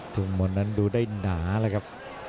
ทุ่งมนต์นั้นดูได้หนาละครับ